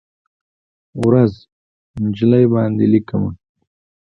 ورځ، نجلۍ باندې لیکمه